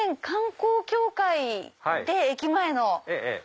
観光協会で駅前の。